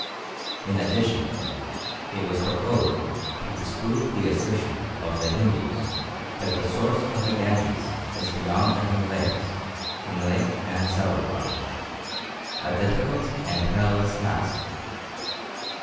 In addition, it was proposed to disprove the assertion of the Hindus that the source of the Ganges is beyond the Himalayas, in Lake Manasarowar. A difficult and perilous task!